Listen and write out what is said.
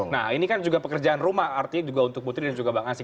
nah ini kan juga pekerjaan rumah artinya juga untuk putri dan juga bang asyik